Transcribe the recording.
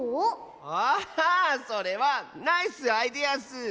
あっそれはナイスアイデアッス。